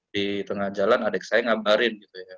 di tengah jalan adik saya ngabarin gitu ya